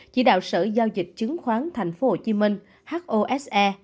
chỉ đạo sở giao dịch chứng khoán thành phố hồ chí minh hose